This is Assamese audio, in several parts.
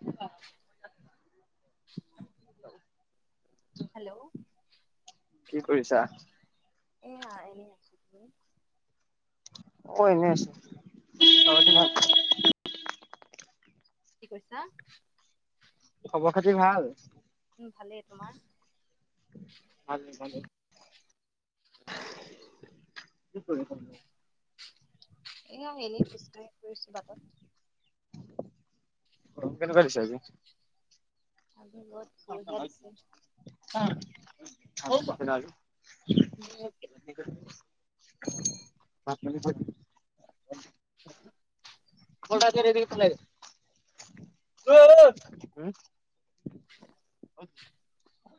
[unintelligible] হেল্ল' কি কৰিছা? এইয়া এনে আছোঁ। মইও এনে আছোঁ। বাদ বাকী ভাল? কি কৈছা? খবৰ খাতি ভাল? উম ভালেই তোমাৰ মাজ মাজে। কি কৰিছ? এয়া এনেই খোজকাঢ়ি ফুৰিছোঁ বাটত। ৰ'দ কেনেকুৱা দিছে আজি। আজি [unintelligible] [unintelligible] ৰ'দ ভাত বঢ়িয়া দিছে পানী খোৱাই কল টা আছে ৰেডীৰ খুলাইদে। উম [unintelligible]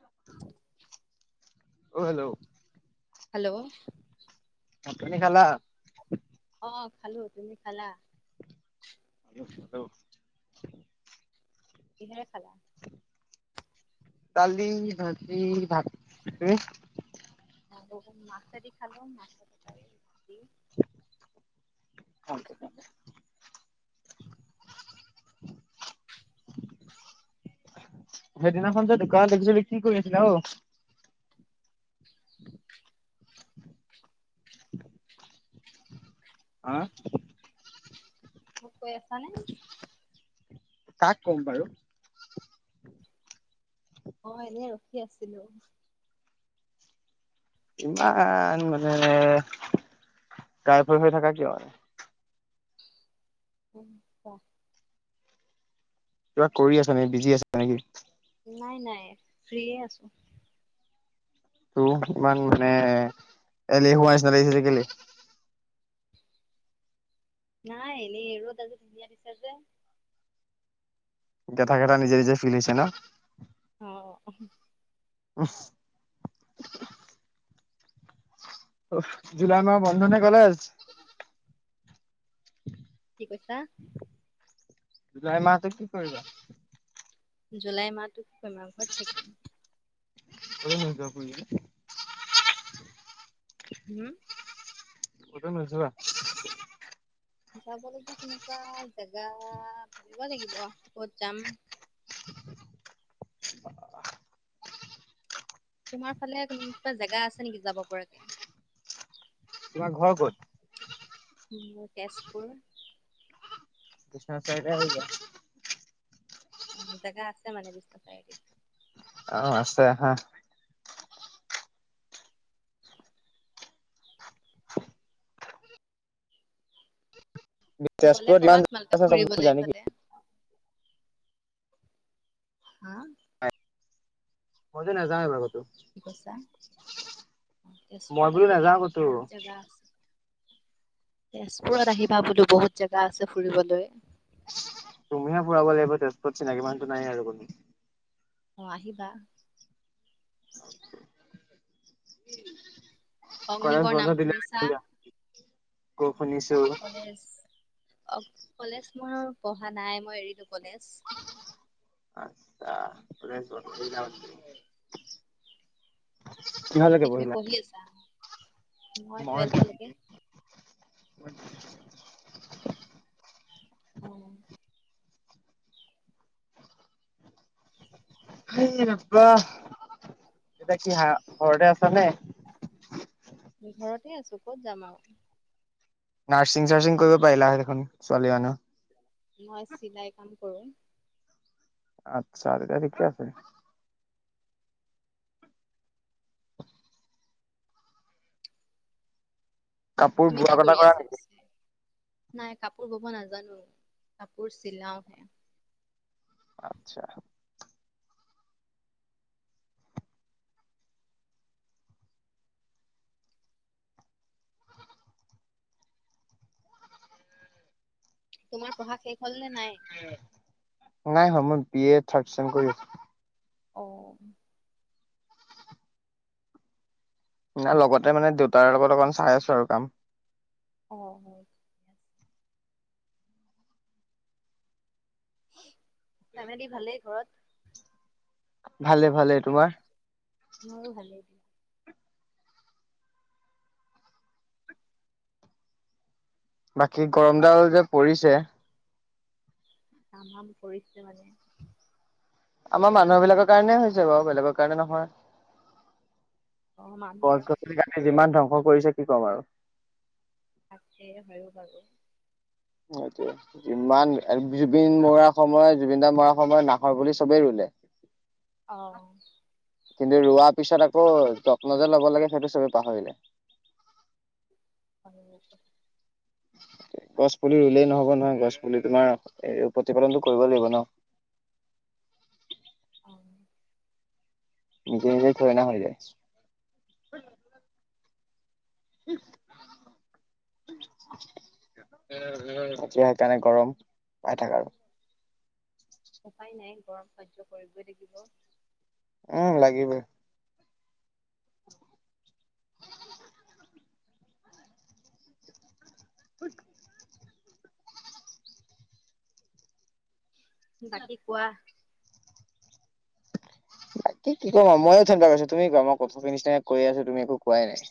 [unintelligible] অ' হেল্ল ও হেল্ল' ভাত পানি খালা? অ' খালো, তুমি খালা? [unintelligible] কিহেৰে খালা? কালি ভাজি ভাতৰে। আহ, অ, উম, মাছে দি খালোং মা মাছৰ তৰকাৰীদি। ফাল্টু মানে। [unintelligible] সেইদিনাখন যে দোকানত দেখিছিলো কি কৰি আছিলা অৱ অহ মোক কৈ আছা নে? তাক কম বাৰু। অ' এনেই ৰখি আছিলোঁ। ইমান মানে গাইপ হৈ হৈ থাকা কিয়? উম কোৱা। কিবা কৰি আছা নেকি বিজি আছে নেকি? নাই নাই ফ্ৰী এ আছো। ত ইমান মানে এলেহোৱা নিচিনা লাগিছে যে কেলে নাই এনেই ৰ'দ আজি ধুনীয়া দিছে যে। গেধা গেধা নিজে নিজে ফিল হৈছে ন? উম উহ জুলাই মাহ বন্ধনে কলেজ। [inaudible] [unintelligible] কি কৈছা? জুলাই মাহতো কি কৰিবা? জুলাই মাহটোত তোমাৰ ঘৰত থাকিম। [unintelligible] হম। ক'তো নোজোৱা? যাবলগীয়া তেনেকুৱা জেগা ভাবিব লাগিব। ক'ত যাম? [unintelligible] তোমাৰ ফালে কোনোবা জেগা আছে নেকি যাব পৰাকে? তোমাৰ ঘৰ ক'ত? তেজপুৰ। চাইতে আহি যা [inaudible] জেগা আছে মানে বিশ্ব চাৰিআলিত? অ' আছে আহা। গ'লে তেজপুৰত ইমান কবা জেগা তোমালোকে আছে চব ফুৰিবলে ঘূৰিলা নেকি? গ'লে মই যে নাজাও এইবাৰ কতো। কি কৈছা মই তেজপুৰত বোলো আহিবা নাযাওঁ ক'তো। বহুত জেগা আছে। তেজপুৰত আহিবা বোলো বহুত জোগা আছে ফুৰিবলৈ। তুমিহে ফুৰাব লাগিব তেজপুৰত। চিনাকিমানোতো নাই আৰু কোনো অ' আহিবা। [inaudible] অগ্নিগড় নাম শুনিছা? ক'শুনিছো। অহ, কলেজ মোৰ পঢ়া নাই মই এৰিলো কলেজ। আতচ্ছা [unintelligible] কিহৰ কি লৈকে তুমি পঢ়িলা? পঢ়ি আছা? মই টুৱেলভলৈকে। [inaudible] অ হাই ৰাব্বা। এতিয়া কি হা ঘৰতে আছা নে? সেয়ে আছো ক'ত যাম আৰু। নাৰ্ছিং -চাৰ্চিং কৰিব পাৰিলা হয় দেখোন ছোৱালী মানুহ। মই চিলাই কাম কৰো। আটছা, তেতিয়া ঠিকেই আছে। কাপোৰ তুমি কি বোৱা কটা কৰি কৰা আছা নেকি? পিছে? নাই কাপোৰ ব'ব নাজানো। কাপোৰ চিলাওহে। আটছা। তোমাৰ পঢ়া শেষ? হ'ল নে নাই? নাই হোৱা মই বি এ থাৰ্ডচেম কৰি আছো। অ। লগতে মানে দেউতাৰ লগত অকমান চাই আছো আৰু কাম৷ অ হয় [unintelligible] ফেমেলি ভালেই ঘৰত৷ ভালেই, ভালেই। তোমাৰ? মোৰো ভালেই দিয়া বাকী গৰমডাল যে পৰিছে! তামাম পৰিছে মানে। আমাৰ মানুহ বিলাকৰ কাৰণে হৈছে বাৰু। বেলেগৰ কাৰণে নহয়। অ মানুহৰ গছ-গছনি কাটি যিমান ধ্বংস কৰিছে কি কম আৰু। তাকে হৈয়ো বাৰু। সেইটোৱে। ইমান- জুবিন মৰাৰ সময়- জুবিনদাৰ মৰাৰ সময়ত নাহৰ পুলি চবেই ৰুলে। [unintelligible] অ। কিন্তু ৰোৱাৰ পিছত আকৌ যত্ন যে ল'ব লাগে সেইটো চবে পাহৰিলে। পাহৰিলে চব। [unintelligible] গছ পুলি ৰুলেই নহ'ব নহয়। গছ পুলি তোমাৰ প্ৰতিপালনটো কৰিব লাগিব ন। [unintelligible] অ নিজে নিজে থৰে না হৈ যায়। [unintelligible] [unintelligible] এতিয়া সেইকাৰণে গৰম পাই থাক আৰু। উপায় নাই গৰম সহ্য কৰিবই লাগিব। অ, লাগিবই। [unintelligible] বাকী কোৱা। তাকে কি কম আও, ময়ে চিন্তা কৰিছোঁ। তুমি কোৱা। মই [unintelligible] নিচিনা কৈ কৈয়ে আছোঁ, তুমি একো কোৱাই নাই।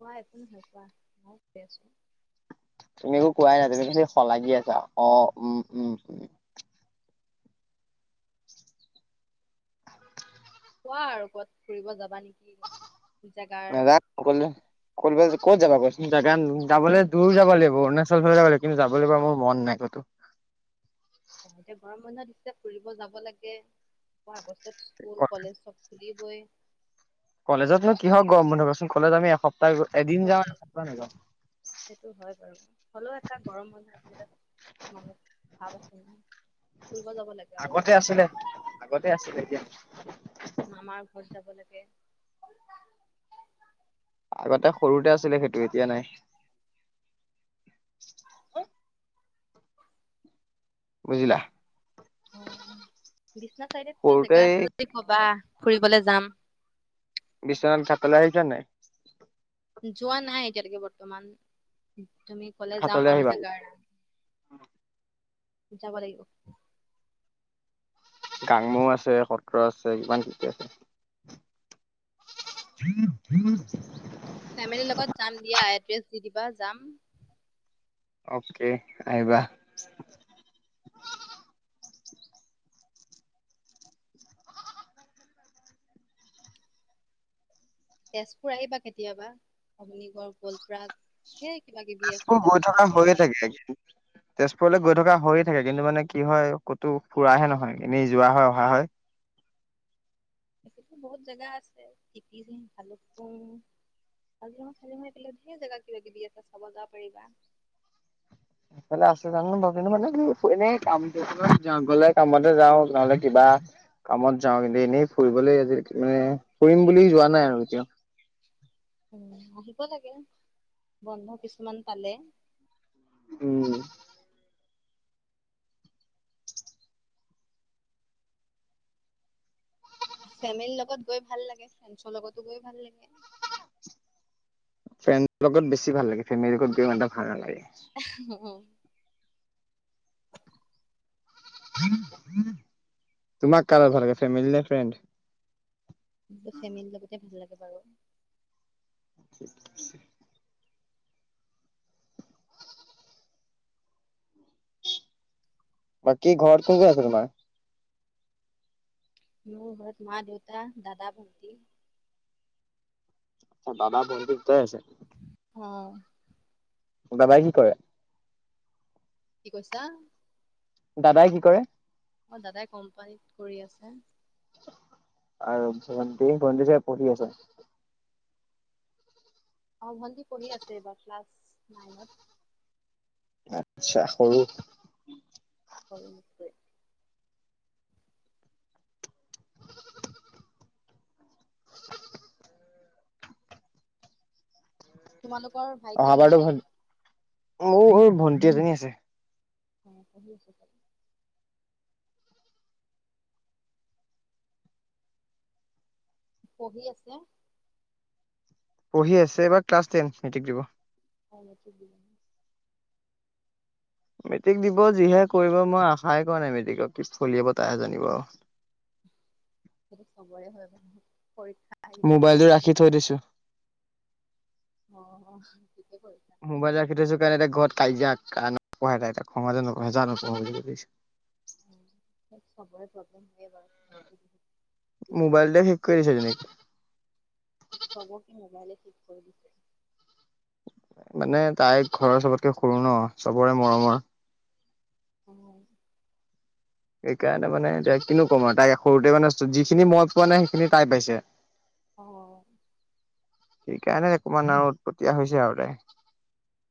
কোৱা, একো নহয় কোৱা। মই [inaudible] আছোঁ। তুমি একো কোৱাই নাই। তুমি [unintelligible] শলাগি আছা। অ' উম - উম - উম কোৱা আৰু কবাত ফুৰিব যাবা নেকি? জাগাৰ নাযাওঁ অকলে [unintelligible] ক'ত যাবা কোৱাচোন। জাগা যাবলে দূৰ যাব লাগিব, অৰুণাচল ফালে যাব লাগিব। কিন্তু যাবলেএইবাৰ মোৰ মন নাই ক'তো। [inaudible] অ, এতিয়া গৰম বন্ধ দিছে ফুৰিব যাব লাগে। আকৌ আগষ্টত স্কুল, কলেজ চব খুলি বৈ কলেজতনো কিহৰ গৰম বন্ধ কচোন। কলেজ আমি এসপ্তাহ, এদিন যাওঁ কলেজ এসপ্তাহ নাযাওঁ। সেইটো হয় বাৰু। হ'লেও এটা গৰম বুলি এটা মনত [unintelligible] আছে ন ফুৰিব যাব লাগে আৰু। আগতে আছিলে [unintelligible] আগতে আছিল, এতিয়া [unintelligible] মামাৰ ঘৰত যাব লাগে। আগতে সৰুতে আছিলে সেইটো। এতিয়া নাই। বুজিলা বিশ্বনাথ চাৰিআলিত কিবা সৰুতে জেগা এই আছে যদি কবা। ফুৰিব গলে যাম। বিশ্বনাথ ঘাটলে আহিছা নে নাই? যোৱা নাই এতিয়ালেকে বৰ্তমান। তুমি কলে যাম ঘাটলৈ আৰু আহিবা জেগাৰ যাব লাগিব। গাঙম আছে, সত্ৰ আছে, কিমান কি- কি আছে। [inaudible] ফেমিলিৰ লগত যাম দিয়া, এড্ৰেছ দি দিবা যাম। অকে আহিবা। তেজপুৰ আহিবা কেতিয়াবা অগ্নিগড় গল্ডপাৰ্ক তেজপুৰ গৈ থকা হৈয়ে থাকে তেজপুৰলৈ গৈ থকা হৈয়ে থাকে কিন্তু মানে কি হয় ক'তো ফুৰাহে নহয়। এনেই যোৱা হয় অহা হয়। [inaudible] বহুত জেগা আছে। তিকিজিং, ভালুকপুং। কাজিৰঙা -চাজিৰঙা এইফালে ধেৰ জেগা কিবা -কিবি আছে চাব যাব পাৰিবা। এইফালে আছে জানো ৰবা কিন্তু মানে কি এনে কাম থাকিলে গলে কামতে যাওঁ নহ'লে কিবা কামত যাওঁ কিন্তু এনেই ফুৰিবলে আজি মানে ফুৰিম বুলি যোৱা নাই আৰু এতিয়াওঁ। উম আহিব লাগে বন্ধ কিছুমান পালে। উম। ফেমিলিৰ লগত গৈ ভাল লাগে ফ্ৰেন্ডছৰ লগতো গৈ ভাল লাগে। ফ্ৰেন্ড লগত বেছি ভাল লাগে। ফেমিলিৰ লগত গৈ ইমানটা ভাল নালাগে। [unintelligible] তোমাক কাৰ লগত ভাল লাগে ফেমিলি নে ফ্ৰেণ্ড? ফেমেলি লগতে ভাল লাগে বাৰু। [inaudible] বাকী ঘৰত কোন -কোন আছে তোমাৰ? মোৰ ঘৰত মা, দেউতা, দাদা, ভন্টি। আ, বাবা, ভন্টি দুটাই আছে। অহ দাদাই কি কৰে? কি কৈছা? দাদাই কি কৰে? অহ, দাদাই কম্পানীত কৰি আছে। আৰু ভণ্টি -ভণ্টি চাগে পঢ়ি আছে? অহ, ভণ্টি পঢ়ি আছে এইবাৰ ক্লাছ নাইনত। আচ্ছা সৰু সৰু মুতকৈ। তোমালোকৰ ভাইটি- ভন্টি? মোৰো ভণ্টি এজনী আছে। অহ, পঢ়ি আছে চাগে? পঢ়ি আছে? পঢ়ি আছে এবা ক্লাছ টেন মেটিক দিব। [unintelligible] মেট্ৰিক দিব যিহে কৰিব মই আশাই কৰা নাই মেট্ৰিকক কি ফলিয়াব তাইহে জানিব আৱ। [unintelligible] সেতু চবৰে হয় মানুহ। মোবাইলটো ৰাখি থৈ দিছো। অ থিকে কৰি। মোবাইল ৰাখি থৈছো কাৰণে এতিয়া ঘৰত কাজিয়া। পঢ়াই তাই ত। অহা যোৱা নকই অহা যোৱা নকৰোঁ বুলি কৈছে। চবৰে প্ৰব্লেম হয়ে বাৰু ফোনটো বহুত কিয়নো মোবাইলতে শেষ কৰি দিছে যেনেকে। থিক কৰি দিছে। মানে তাই ঘৰৰ চবতকে সৰু ন চবৰে মৰমৰ। উ। সেইকাৰণে মানে এয়া কিনো কম আৰু তাই সৰুতে মানে যিখিনি মই পোৱা নাই সেইখিনি তাই পাইছে অ,। সেইকাৰণে অকমান আৰু উটপতিয়া হৈছে আৰু তাই।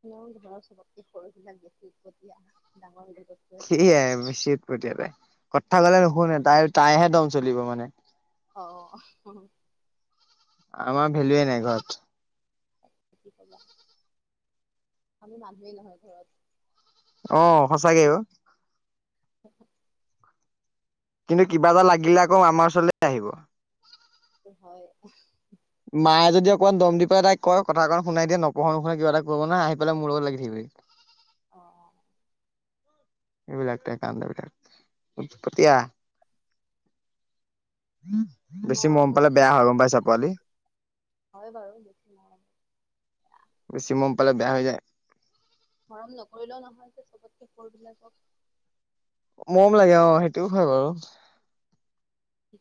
ম ঘৰৰ চবকে সৰুবিলাক বেছি উৎপতীয়া আহা ডাঙৰ বিলাকতকৈ সেইয়াই বেছি উৎপতীয়া তাই কথা কলে নুশুনে তাই তাইহে দম চলিব মানে। অহ, আমাৰ ভেলুয়ে নাই ঘৰত আমি মানুহেই নহয় ঘৰত। অ সঁচাকে অ, কিন্তু কিবা এটা লাগিলে আকৌ আমাৰ ওচৰলে আহিব সেইটো হয়। মায়ে যদি অকমান দম দি পেলাই তাইক কয় কথা এটা শুনাই দিয়ে নপঢ় শুনে কিবা এটা কৰিব নোৱাৰে আহিপেলাই মোৰ লগ লাগি থাকিবহি [inaudible] অঁ অ। এইবিলাক তাইৰ কাণ্ডবিলাক উৎপতিয়া। বেছি মৰম মৰমৰ পালে হ'লে বেয়া হয় গম পাইচা পোৱালি। হয় বাৰু বেছি মৰম পালে বেয়া হৈ যায়। মৰম নকৰিলেও নহয় যে চবতকে সৰুবিলাকক মৰম লাগে অ সেইটোও হয় বাৰু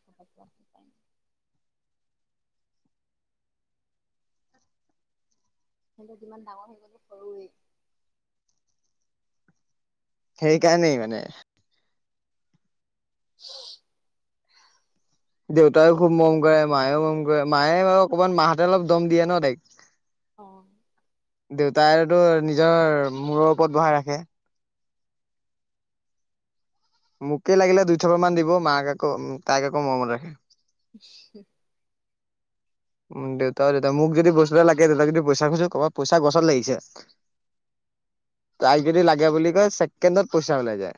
প [inaudible] সি যিমান ডাঙৰ হৈ গ'লো সৰুৱেই সেইকাৰণেই মানে উ। দেউতাই খুব মৰম কৰে মায়েও মৰম কৰে, মায়ে বাৰু অকমান মাহঁতে অলপ দম দিয়ে ন তাইক অ। দেউতাইতো নিজৰ মূৰৰ ওপৰত বহাই ৰাখে। মোকে লাগিলে দুই থাপ মান দিব মাক আকৌ তাইক আকৌ মৰমত ৰাখে। আচা। [inaudible] [inaudible] দেউতা দেউতা মোক যদি বস্তু এটা লাগে দেউতা যদি পইচা খুজছো কবাত পইচা গছত লাগিছে? তাই যদি আমাৰ লাগে বুলি কয় ছেকেণ্ডত পইচা ওলাই যায়